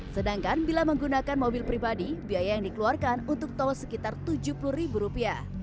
sedangkan bila menggunakan mobil pribadi biaya yang dikeluarkan untuk tol sekitar rp tujuh puluh